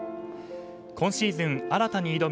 今シーズン新たに挑む